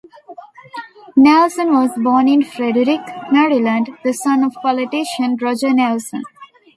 Nelson was born in Frederick, Maryland, the son of politician Roger Nelson.